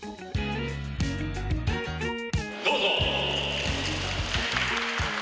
どうぞ！